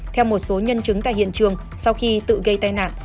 theo một số nhân chứng tại hiện trường sau khi tự gây tai nạn